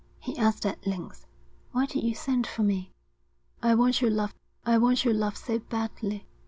he asked at length. 'Why did you send for me?' 'I want your love. I want your love so badly.'